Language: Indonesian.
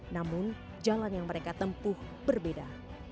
namun jalan yang mereka tempuh berbeda